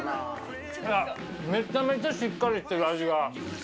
めちゃめちゃしっかりしてる、味が。